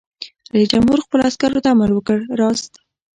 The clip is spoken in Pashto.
رئیس جمهور خپلو عسکرو ته امر وکړ؛ راست!